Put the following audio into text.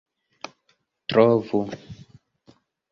trovu